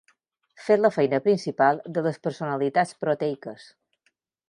Fer la feina principal de les personalitats proteiques.